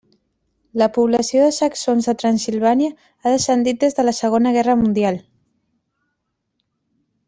La població de saxons de Transsilvània ha descendit des de la Segona Guerra Mundial.